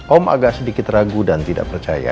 om agak sedikit ragu dan tidak percaya